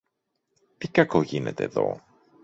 Τι κακό γίνεται δω;